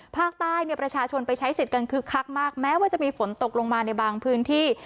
ภาคใต้เนี่ยประชาชนไปใช้สิทธิ์กันคึกคักมากแม้ว่าจะมีฝนตกลงมาในบางพื้นที่